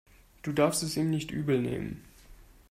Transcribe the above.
Du darfst es ihm nicht übel nehmen.